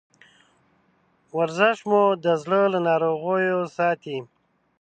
ورزش مو د زړه له ناروغیو ساتي.